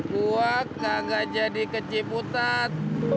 gue kagak jadi keciputat